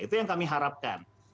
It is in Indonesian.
itu yang kami harapkan